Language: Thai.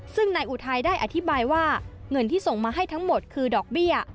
ซึ่งนายอุทัยได้อธิบายว่าเงินที่ส่งมาให้ทั้งหมดคือดอกเบี้ย